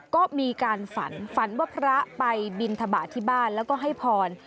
ก็มีการฝันฝันว่าพระไปบินทบาทที่บ้านแล้วก็ให้พร